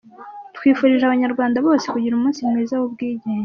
Twifurije abanyarwanda bose kugira umunsi mwiza w’ubwigenge!.